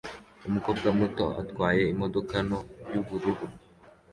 Umukobwa muto atwaye imodoka ntoya yubururu